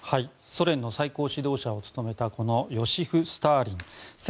ソ連の最高指導者を務めたこのヨシフ・スターリン。